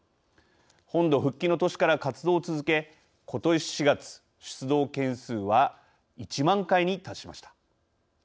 本土復帰の年から活動を続けことし４月出動件数は１万回に達しました。